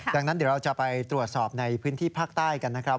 ดังนั้นเดี๋ยวเราจะไปตรวจสอบในพื้นที่ภาคใต้กันนะครับ